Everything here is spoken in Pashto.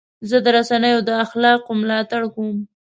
زه د رسنیو د اخلاقو ملاتړ کوم.